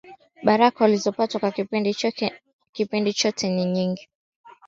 baraka walizopata kwa kipindi chote cha mwaka mzima Sherehe mbalimbali sherehe za wafu maadhimisho